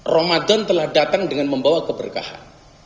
ramadan telah datang dengan membawa keberkahan